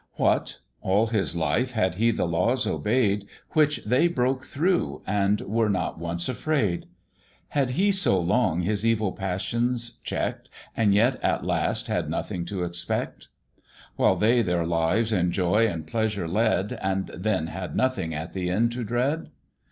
"What! all his life had he the laws obey'd, Which they broke through and were not once afraid? Had he so long his evil passions check'd, And yet at last had nothing to expect? While they their lives in joy and pleasure led, And then had nothing at the end to dread?